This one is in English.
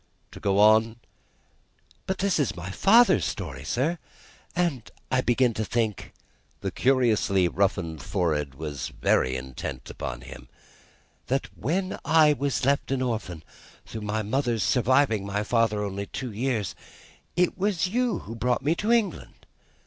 To go on " "But this is my father's story, sir; and I begin to think" the curiously roughened forehead was very intent upon him "that when I was left an orphan through my mother's surviving my father only two years, it was you who brought me to England.